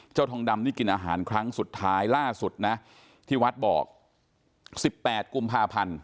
ทองดำนี่กินอาหารครั้งสุดท้ายล่าสุดนะที่วัดบอก๑๘กุมภาพันธ์